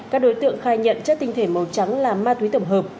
các đối tượng khai nhận chất tinh thể màu trắng là ma túy tổng hợp